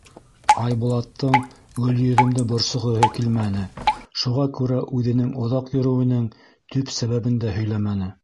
Айбулаттың Гөлйөҙөмдө борсоғоһо килмәне, шуға күрә үҙенең оҙаҡ йөрөүенең төп сәбәбен дә һөйләмәне.